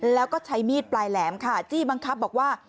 แล้วก็ใช้มีดปลายแหลมค่ะจี้บังคับบอกว่า